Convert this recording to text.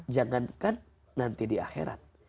jangankan nanti di akhirat